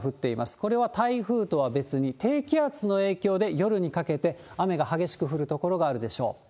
これは台風とは別に、低気圧の影響で夜にかけて雨が激しく降る所があるでしょう。